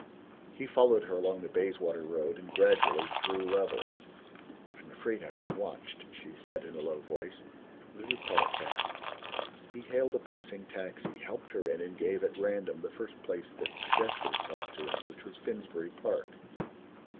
He followed her along the Bayswater Road and gradually drew level. "I am afraid I have been watched," she said in a low voice. "Will you call a cab?" He hailed a passing taxi, helped her in and gave at random the first place that suggested itself to him, which was Finsbury Park.